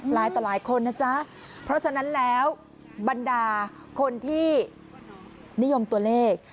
ต่อหลายคนนะจ๊ะเพราะฉะนั้นแล้วบรรดาคนที่นิยมตัวเลข